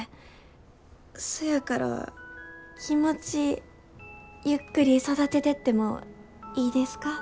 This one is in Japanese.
そやから気持ちゆっくり育ててってもいいですか？